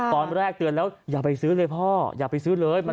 ตอนแรกเตือนแล้วอย่าไปซื้อเลยพ่ออย่าไปซื้อเลย